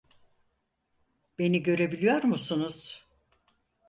Beni görebiliyor musunuz?